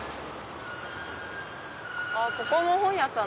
ここも本屋さん。